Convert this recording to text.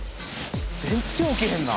全然起きへんな！